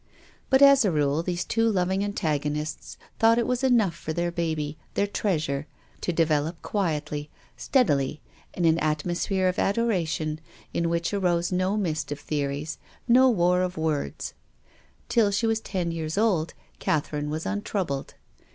But as a rule these two loving antagonists thought it was enough f(jr their baby, their treasure, to develop quietly, steadily, in an atmosphere of adoration, in which arose no mist of theories, no war of words. Till slic was ten years old Catherine was untroubled.